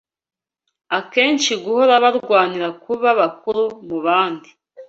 Akenshi guhora barwanira kuba bakuru mu bandi